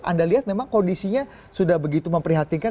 anda lihat memang kondisinya sudah begitu memprihatinkan